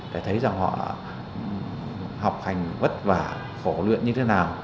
để thấy rằng họ học hành vất vả khổ luyện như thế nào